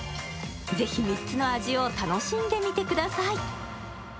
ぜひ３つの味を楽しんでみてください。